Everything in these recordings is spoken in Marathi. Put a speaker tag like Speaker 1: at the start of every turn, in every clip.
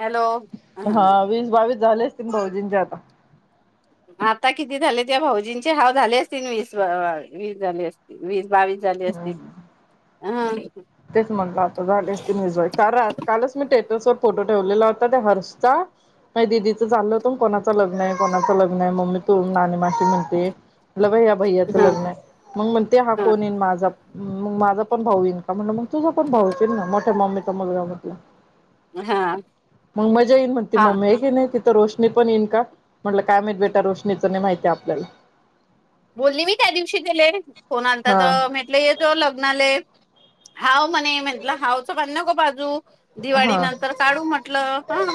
Speaker 1: हॅलो
Speaker 2: हा वीस बावीस झालेच ती भाऊजींचे आता...
Speaker 1: आता किती झाले त्या भाऊजींचे हाव झाले असतील वीस वीस झाले असतील वीस.. झाली अस
Speaker 2: हम्म
Speaker 1: ह..
Speaker 2: तेच म्हणलं आता झालेस तजवाय का राहात कालच मी टे... फोटो ठेवलेला होता त्या हर्षदीचं चाललं होत कोणा ल् नाही कोणाचं लग्न आहे मम्मी तू नाणी माशी म्हणते.. [unintelligible] भैयाच
Speaker 1: ह
Speaker 2: लग्न हाय मग मण ते हा कोण
Speaker 1: ह
Speaker 2: येई माझा. मग माझा पण भाऊ इईनका म्हण मग तुझा पण भाऊन ना मोठ्या मम्मीचा मुलगा म्हटल्यावर-
Speaker 1: हा
Speaker 2: - मग मजा येईन म्हण त
Speaker 1: हा
Speaker 2: मम्मे हकि नाही तिथ तर रोशनी पण इनका? म्हटल काय माहीत बेटा रोशनीच नाही माहिती आपल्याला.
Speaker 1: बोलली मी त्या दिवशी गेले फोन आलता
Speaker 2: हा
Speaker 1: तर म्हेटलंय जो लग्न आलय. हाव म्हणे म्हटलं हावचं बण न गो बाजू. दिवाळी
Speaker 2: हा
Speaker 1: नंतर काढू म्हटलं हा.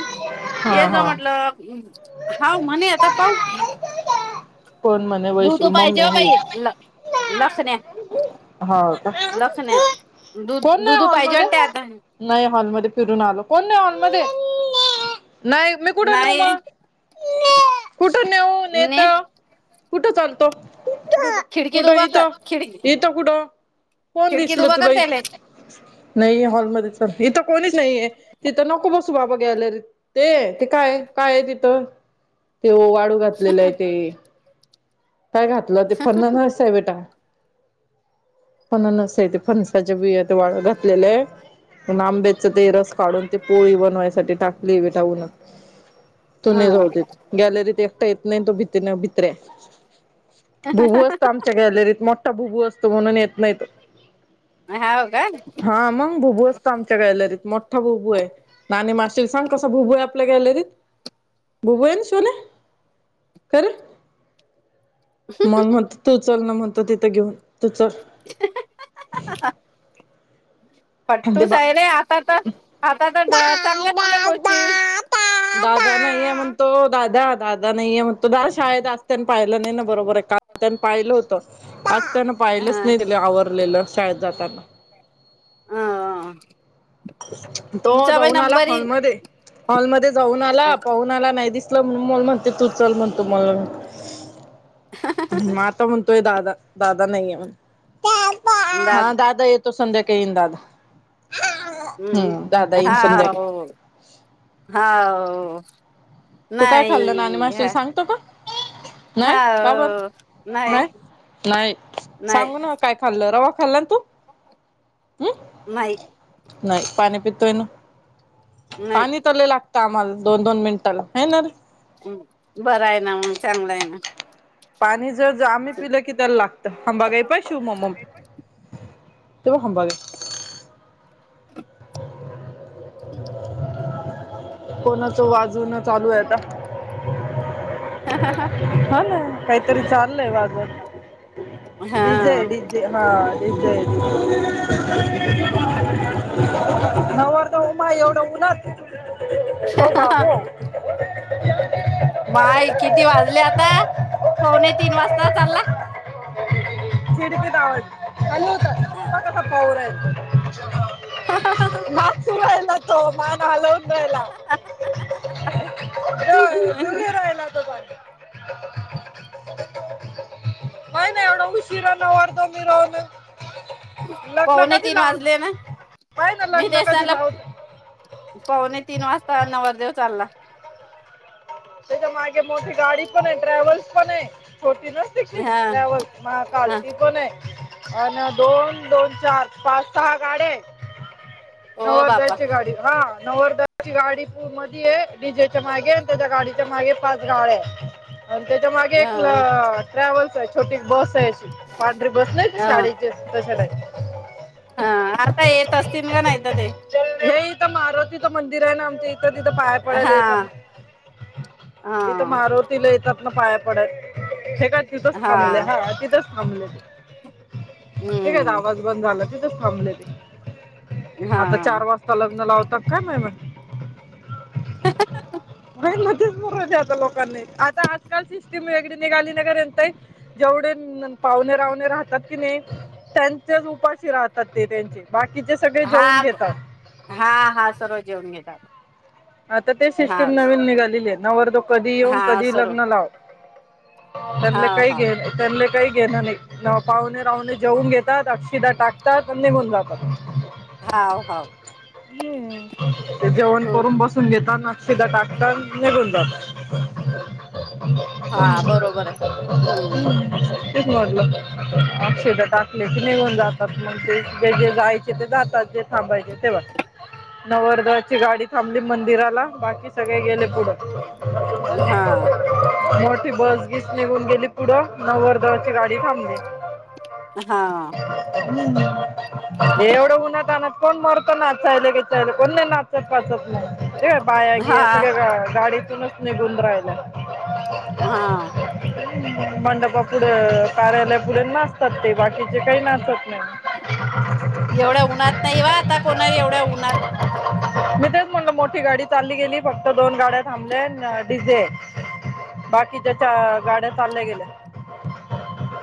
Speaker 1: ते
Speaker 2: हा
Speaker 1: ज
Speaker 2: हा
Speaker 1: म्हटलं हाव म्हणे आता पाऊ.
Speaker 2: कोण म्हणे
Speaker 1: बु
Speaker 2: वैश
Speaker 1: तू
Speaker 2: मम्मी
Speaker 1: पाहिजे
Speaker 2: हे
Speaker 1: पई ल लखण्या. लखण्या
Speaker 2: होका?
Speaker 1: दू
Speaker 2: कोण नाही
Speaker 1: दुधू पाहिजे
Speaker 2: हॉलमध्ये.
Speaker 1: वाटते आता
Speaker 2: नाही हॉलमध्ये फिरून आलो कोण नाही हॉलमध्ये. नाही मी कुठं नेऊ
Speaker 1: नाही
Speaker 2: मग? कुठं नेऊ?
Speaker 1: ने
Speaker 2: नेतो. कुठं चालतो?
Speaker 1: खिडकीत
Speaker 2: कुठं
Speaker 1: उबा कर
Speaker 2: इथं
Speaker 1: खिडकी.
Speaker 2: इथं कुठं? कोण
Speaker 1: खिडकीत
Speaker 2: दिसल
Speaker 1: उभं
Speaker 2: तुला
Speaker 1: कर त्याले
Speaker 2: ईथं? नाहीे हॉलमध्ये च इथं कोणीच नाहीये तिथं नको बस- - सुबाबा गॅलरीत. ते ते काय? काय हाय तिथं? ते वाळू घातलेला हाय ते. काय घातलं? ते फननस आहे बेटा फननस. फणसाच्या बिया वाळ घातलेलं - आंबेच ते रस काढून ते पोळी बनवायसाठी टाकली विटाऊून तो नाही जाऊदेत. गॅलरीत एकटा येत नाही. तो भितीनं भितऱ्या - - भुबू असतो आमच्या गॅलरीत मोठा भुबू असतो म्हणून येत नाही तो.
Speaker 1: हाव का
Speaker 2: हा मंग भुबू असत आमच्या गॅलरीत मो ठा भुबू हाय. नाणी माशीला सांग कसा भुबू हाय आपल्या गॅलरीत. भुबु हायन सोन्या. खरं. मम्हणत तू चल ना म्हणतो तिथं घेऊन तू चल.
Speaker 1: पट्टू
Speaker 2: ते बा
Speaker 1: सायले आता तर, आता तर चांगल्या चांगल्या गोष्टी
Speaker 2: दादा नाहीये म्हण तो दादा दादा नाहीे मण तो दास - - शाळेत असतने पाहिलं नाही ना बरोबर आहे का त्या पाहिलं होत असतन पाहिलंच
Speaker 1: हा
Speaker 2: नाही त आवरलं - - शाळेत जाताना.
Speaker 1: ह हा.
Speaker 2: तो जाऊन आला हॉलमध्ये. हॉलमध्ये जाऊन आला पाहून आला नाही दिस- - त म्हण म म्हणते तू चल म्हणतो मला आता म्हणतोय दादा. दादा नाही आहे म्ह
Speaker 1: दा
Speaker 2: हा दादा य. तो संध्या काही दादा. हम्म
Speaker 1: हम्
Speaker 2: दादा येईन
Speaker 1: हा.
Speaker 2: संध्याकाळी
Speaker 1: ह हो.
Speaker 2: तू काय खाल्लं नाणीमासी ला सांगतो का? नाहीय काबार?
Speaker 1: हाव नाही
Speaker 2: नाहीय. नाही
Speaker 1: नाही
Speaker 2: सांगू ना काय खाल्ल रवा खाल्ला ना तू.
Speaker 1: नाही
Speaker 2: हम् नाही पाणी पितोय ना
Speaker 1: नाही
Speaker 2: पाणी तर लय लाग- - कामाला दोन दोन मिनिटाला आहे ना रे.
Speaker 1: ् बर हाय ना मग चांगला हाय ना.
Speaker 2: पाणी जर आम्ही पिलं की त्याला लागत हंबागाई प शिव मग मम. तो हांबा वे - -
Speaker 1: [unintelligible]
Speaker 2: कोणाचं वाजून चालू हाय आता. हा ना. काहीतरी चाललंय वाजत. डी जे
Speaker 1: हा
Speaker 2: हा डी जे. नवरदेव हुबा आहे एवढं उन्हात हो बाबू.
Speaker 1: माय किती वाजले आता पवणे तीन वाजता चालला.
Speaker 2: [unintelligible]
Speaker 1: हा हा हा.
Speaker 2: नाचू राहिला तो. [inaudible] नाहीय नाही एवढा किरण वाढतो मीरवणूक.
Speaker 1: पाहणे तीन वाजले ना
Speaker 2: पाहि ना
Speaker 1: मी
Speaker 2: लग्न कधी
Speaker 1: देसनाला.
Speaker 2: लावतो
Speaker 1: पवणे तीन वाजता नवरदेव चालला.
Speaker 2: त्याच्या मागे मोठी गाडी पण आहे ट्रॅव्हल्स पण आहे. होती ना [inaudible]
Speaker 1: हा
Speaker 2: ट्रॅव्हल्
Speaker 1: हा
Speaker 2: महाकालती पण आहे. अ ना दोन दोन चार पाच सहा गाड्या आहेत.
Speaker 1: हो बापा
Speaker 2: नवर्धची गाडी हा नवर्धची गाडी पू मध्ये आहे डीजेच्या मागे. त्याच्या्या गाडीच्या मागे पाच गाड्या आहे. आणि त्याच्या
Speaker 1: ह
Speaker 2: मागे एक ट्रॅव्हल्स आहे छोटी बस आहे अशी पांढरी बस नाही तर
Speaker 1: ह
Speaker 2: शाळेची तसे नाही.
Speaker 1: हा आता येेतस तम गनयत ते.
Speaker 2: हे मारुतीचं मंदिर आहे ना आमच्या इथं तिथं पाहे पडायला
Speaker 1: हा
Speaker 2: येतना.
Speaker 1: हा
Speaker 2: इथं मारुतीला येतात ना पाया पडत हे का तिथंच थांबलं हा तिथंच थांबले. हे काय
Speaker 1: हम्म
Speaker 2: आवाज बंद झाला तिथच थांबले मी
Speaker 1: हा
Speaker 2: आता चार वाजता लग्न लावतात काय मामाहीती.
Speaker 1: [unintelligible]
Speaker 2: च बरो आता लोकांनी आता आजकाल सिस्टीम वेगळी निघाली नाही पर्यंत जेव पाहुणे राहणे राहतात की नाही त्यांच्याच उपाशी राहतात ते त्यांचे. बाकीचे सगळे
Speaker 1: हा
Speaker 2: जेऊन घेतात.
Speaker 1: हा हा सर्व जेवण घेतात
Speaker 2: आता ते
Speaker 1: हा
Speaker 2: सिस्टम नवीन निघालेली आहे नवर तो कधी येऊन
Speaker 1: हा
Speaker 2: कधी
Speaker 1: सर्व
Speaker 2: लग्न लाव.
Speaker 1: हा
Speaker 2: त्यांना काही
Speaker 1: हा
Speaker 2: घेन त्यां काही घेणं नाही पाहुणे राहुणे जेऊन घेतात अक्षिदा टाकतात आणि निघून जातात.
Speaker 1: हा ह.
Speaker 2: ते जेवण करून बसून घेतना. अक्षता टाकतात निघून जातात.
Speaker 1: हा बरोबर आहे हम्म
Speaker 2: [unintelligible] ते म्हटलं अक्षदा टाकले क निघन जातात मग ते जे जे जायचे ते जातात. थांबायची तेव्हा नवरदेवाची गाडी थांबली. मंदिराला बाकी सगळे गेले पुढ
Speaker 1: हा
Speaker 2: बस घीस निघून गेली पुढं नवर्ध गाडी थांबली
Speaker 1: हा
Speaker 2: [unintelligible] हे एवढं उन्हत आणना कोण मरत नाचायले की चाहिले कोण नाही नाचत पाचत. र बाया
Speaker 1: हा
Speaker 2: गिया सगळ्या गाडीतूनच निघुन राहिला.
Speaker 1: हा
Speaker 2: मंडप पुढे कार्यालय पुढे नाचतात ते बाकीचे काही नाचत नाही.
Speaker 1: एवढ्या उन्हात नाही वा आता कोणा एवढ्या उन्हात
Speaker 2: मी तेच म्हणल मोठी गाडी चालली गेली फक्त दोन गाड्या थांबल्या डीजे आहे. बाकीच्या गाड्या चालल्या गेल्या.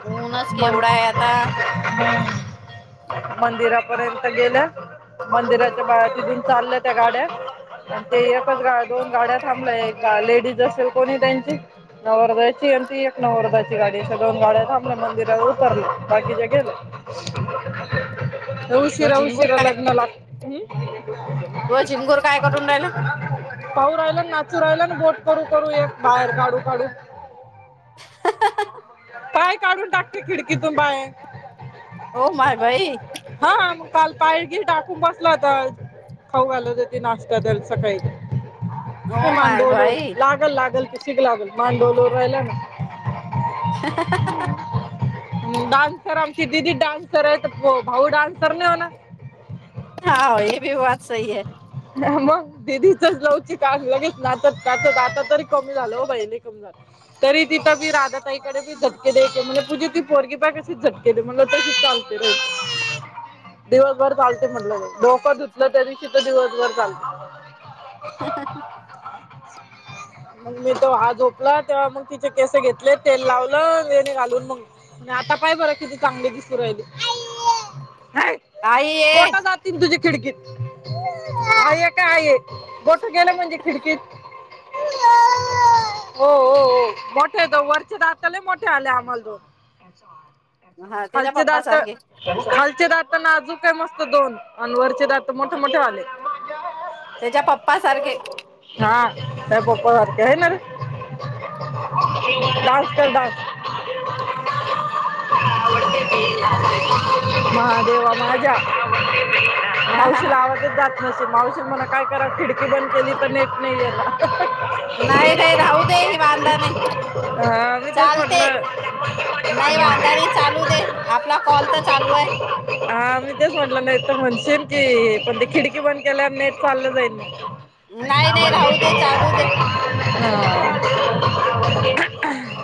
Speaker 1: ऊनच केवढा आहे आता
Speaker 2: [unintelligible] मंदिरापर्यंत गेलं मंदिराच्या बाया तिथून चाललं त्या गाड्यात. ते एकच गा दोन गाड्या थांबल्या एक लेडीज असेल कोणी त्यांची नवरदेवाची आणि ती एक नवर्दाची गाडी. देश दोन गाड्या थांबल्या मंदिरात उतरले बाकीच्या गेले.
Speaker 1: तो
Speaker 2: उशिरा
Speaker 1: झिंगूर
Speaker 2: उशिरा
Speaker 1: काय
Speaker 2: लग्न लागतं हो हम्म
Speaker 1: [inaudible] राहिला
Speaker 2: पाऊ राहिला नाचू राहिला ना. बोट करू करू एक बाहेर काढू काढू- पाय काढून टाकते खिडकीतून बाहेर.
Speaker 1: हो माय बाई
Speaker 2: हा मग काल पाय घी टाकून बसला आता खाऊ घालवत ते नाश्ता तरर सकाळी ते
Speaker 1: ओ माय
Speaker 2: मांडोलोर
Speaker 1: भाई
Speaker 2: लागल लागल त ग लागल मांडोल
Speaker 1: हा हा
Speaker 2: डान्सर आमची दिदी डान्सर आहेत. भाऊ डान्सरनेव ना
Speaker 1: हा ए भी बा त सही आहे.
Speaker 2: मग दिदीचच लवची काढ लगेच ना त्याच दात तरी कमी झालं हो बहि तरी तिथं बी राधा ताकडेी झटके दयचेे म्हणे पूजे ती पोरगी बाग कशी झक म्हणलं तशीच चालते र दिवसभर चालते म्हटलं. डोक धुतलं तरी तिथं दिवसभर चालत.
Speaker 1: ह ह ह
Speaker 2: मग मी तो ह झोपला तेव्हा मग तिचे केसे घेतले तेल लावलं वेनी घालून मग. पाय बर किती चांगले दिसु राहिले.
Speaker 1: ह
Speaker 2: ह पोटा जातील तुझी खिडकीत आई काय आहे बोट गेले गेलं म्हणजे खिडकीत. हो हो हो मोठे दो वरचे जाताल मोठे आले आम्हाला दोन
Speaker 1: हा त्याच्या
Speaker 2: खालचे
Speaker 1: पप्पा
Speaker 2: दात
Speaker 1: सारखे
Speaker 2: खालचे दात अजू काय मस्त दोन आणि वरचे दात मोठे मोठे आले.
Speaker 1: त्याच्या पप्पा सारखे
Speaker 2: हा का पप्पा सारखे आहे ना रे डान्स कर डान्स महादेवा माझ्या
Speaker 1: हा हा हा
Speaker 2: मावशीला आवाज देत जा रे. नसे मावशी मणा काय करा खिडकी बंद केली तर नेट नाही येणार.
Speaker 1: नाही नाही राहू दे ही वांदा नाही
Speaker 2: ह तेच
Speaker 1: चालते
Speaker 2: म्हटलं.
Speaker 1: नाही वांधाणी चालू दे आपला कॉल तर चालू आहे.
Speaker 2: हा मी तेच म्हटलं नाही तर म्हणशीन की पण ते खिडकी बंद केल्या नेट चाललं जाईन ना.
Speaker 1: नाही नाही राहू दे चालू दे
Speaker 2: [unintelligible]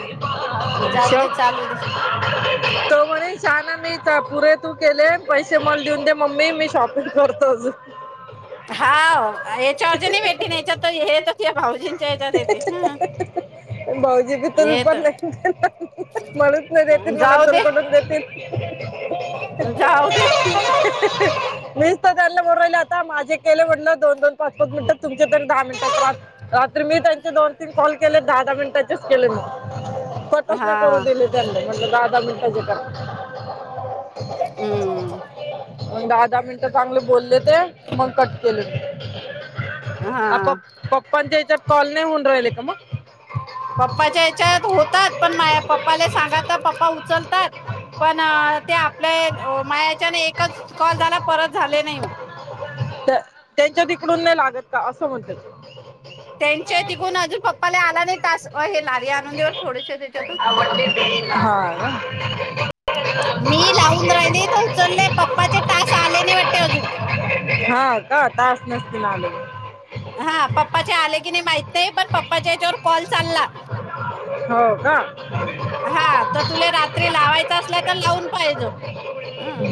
Speaker 1: जाऊ दे चालू दे
Speaker 2: [unintelligible] ठेव म्हणे छान आहे मी पुरे तू केले पैसे मल देऊन दे मम्मी मी शॉपिंग करतोच.
Speaker 1: [unintelligible] हाव याच्यावरती नाही भेटते नाही याच्यात हे येत ते भाऊजींच्या याच्यात येते ह
Speaker 2: भाऊजी बी
Speaker 1: हे
Speaker 2: तुलपण
Speaker 1: तर
Speaker 2: नाही देणार म्हणूच नाही देतील मला
Speaker 1: जाऊ
Speaker 2: तर
Speaker 1: दे
Speaker 2: कुटून देतील.
Speaker 1: जाऊ दे
Speaker 2: मीच तर त्यांनला. म्हणू राहिले आता माझे केले म्हण दोन दोन पाच पाच मिनट तुमचे तर दहा मिनिटात. तर मी त्यांचे दोन तीन कॉल केले दहा दहा मिनटाचेच केले मग. कटच
Speaker 1: हा
Speaker 2: नाही करू दिले त्यांनले म्हणलं दहा-दहा मिनिटांचे करा.
Speaker 1: हम्म.....
Speaker 2: दहा दहा मिनिटं चांगलं बोलले ते मग कट केले मी. अ प
Speaker 1: हा
Speaker 2: पप्पांच्या हेच्यात कॉल नाही होऊन राहिले का मग.
Speaker 1: पप्पाच्या याच्यात होतात पण मा पप्पाला सांगात पप्पा उचलतात. पण ते आपले मायाच्याने एकच कॉल झाला परत झाले नाही...
Speaker 2: त्यांच्या तिकडून नाही लागत का असं म्हणते..
Speaker 1: त्यांचे तिकडून अजून पप्पाला आला नाही तास हे लारी आणून दे बर थोडेसे त्याच्यातून...
Speaker 2: हा...
Speaker 1: ह... मी लावून राहिली इथ उचलले पप्पाचे टास आले नाही वाटते अजून...
Speaker 2: हा का टास नसतीन आलेले...
Speaker 1: हा पप्पाचे आले की नाही माहित नाही पण पप्पाच्या हेच्यावर कॉल चालला...
Speaker 2: हा....
Speaker 1: हा तर तुले रात्री लावायच असला तर लावून पाहिजो. अ..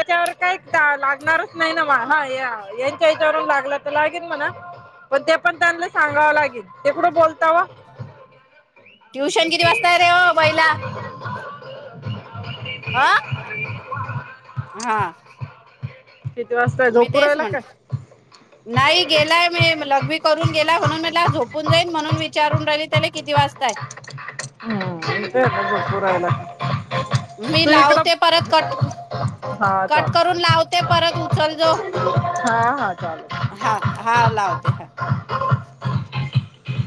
Speaker 2: त्याच्यावर काय ला... गणारच नाही ना म हा यांच्या याच्यावरून लागला तर लागिन म्हणा पण ते... पण त्यांनला सांगावं लागिन ते कुठं बोलतावा...
Speaker 1: ट्युशन किती वाजता हाय रे वो बैला..
Speaker 2: आवडते
Speaker 1: ह
Speaker 2: बेलाचे पान
Speaker 1: हा..
Speaker 2: रस्त्याव
Speaker 1: मी
Speaker 2: झोपू
Speaker 1: तेच
Speaker 2: राहायला
Speaker 1: म्हण
Speaker 2: काय?
Speaker 1: नाही गेलाय मी लघवी करून गेला म्हणून मला झोपून जाईन म्हणून विचारून राहिली त्याला किती... किती वाजता हाय...
Speaker 2: हू नदीत पुरायला...
Speaker 1: मी लावते परत कट
Speaker 2: हा
Speaker 1: कट
Speaker 2: चाल
Speaker 1: करून लावते... परत उचल जो
Speaker 2: हा हा चालेल
Speaker 1: हा हा लावते हा...
Speaker 2: [unintelligible]